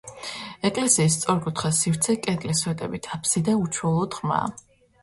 ეკლესიის სწორკუთხა სივრცე კედლის სვეტებით აფსიდა უჩვეულოდ ღრმაა.